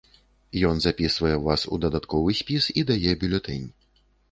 Ён запісвае вас у дадатковы спіс і дае бюлетэнь.